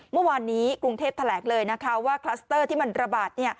เมื่อวานนี้กรุงเทพแถลงเลยนะคะว่าคลัสเตอร์ที่มันระบาด